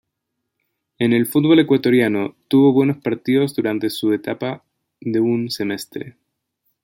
En el fútbol ecuatoriano, tuvo buenos partidos durante su etapa de un semestre.